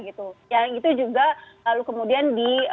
itu juga lalu kemudian